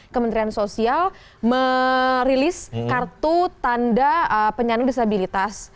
kementerian sosial merilis kartu tanda penyandang disabilitas